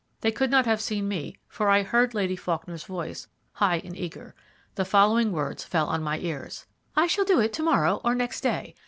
They could not have seen me, for I heard Lady Faulkner's voice, high and eager. The following words fell on my ears: "I shall do it to morrow or next day.